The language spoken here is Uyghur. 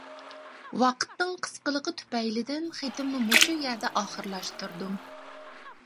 ۋاقىتنىڭ قىسقىلىقى تۈپەيلىدىن خېتىمنى مۇشۇ يەردە ئاخىرلاشتۇردۇم.